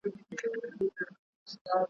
تشول چي مي خُمونه هغه نه یم ,